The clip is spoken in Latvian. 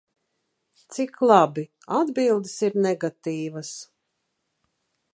Cik labi, atbildes ir negatīvas.